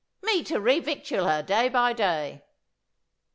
Me to revictual her day by day."